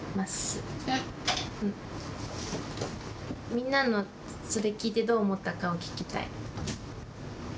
みんなの、それ聞いてどう思ったかを聞きたい。